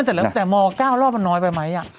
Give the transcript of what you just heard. แต่ม๙รอบมันน้อยไปไหม